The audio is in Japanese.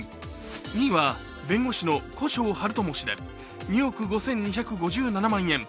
２位は弁護士の古庄玄知氏で２億５２５７万円。